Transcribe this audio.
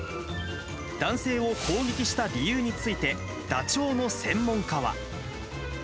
男性を攻撃した理由について、ダチョウの専門家は。